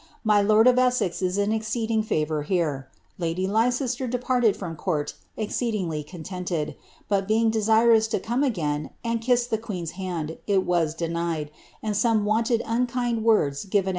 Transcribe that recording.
My lord of Essex is ill exceeding favour here. Lady Leicester departed from coiol exceedingly contented, but being desirous lo come again, and Itiis ibe queen's hand, it was denied, and some wonted uukind words given oai against her."'